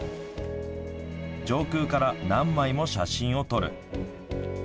上空から何枚も写真を撮る。